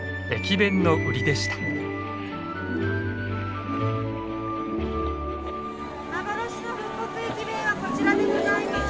幻の復刻駅弁はこちらでございます。